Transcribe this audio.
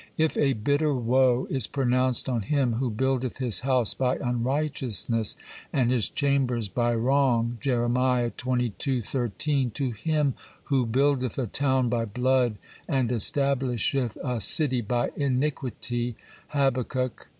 If a bitter woe is pronounced on him who buildeth his house by unrighteousness and his chambers by wrong (Jer. xxii. 13), to him who buildeth a town by blood, and establisheth a city by iniquity (Hab. ii.